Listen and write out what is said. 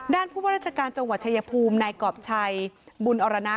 ผู้ว่าราชการจังหวัดชายภูมินายกรอบชัยบุญอรณะ